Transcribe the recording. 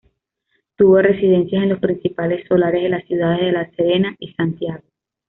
Tuvo residencias en los principales solares de las ciudades de La Serena y Santiago.